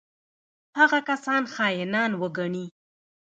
هغه کسان خاینان وګڼي.